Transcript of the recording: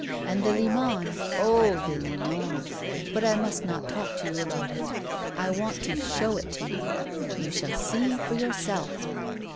And the Limagne oh! the Limagne! But I must not talk to you about it; I want to show it to you. You shall see for yourself."